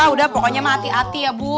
udah pokoknya mah hati hati ya bu